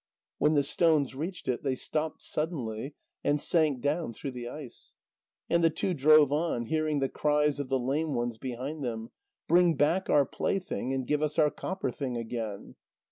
When the stones reached it, they stopped suddenly, and sank down through the ice. And the two drove on, hearing the cries of the lame ones behind them: "Bring back our plaything, and give us our copper thing again."